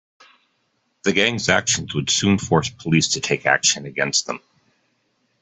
The gang's actions would soon force police to take action against them.